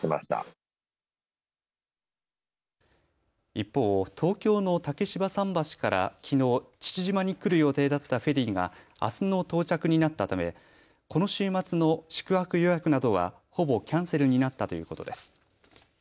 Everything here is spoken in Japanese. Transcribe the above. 一方、東京の竹芝桟橋からきのう父島に来る予定だったフェリーがあすの到着になったためこの週末の宿泊予約などはほぼキャンセルになったということです。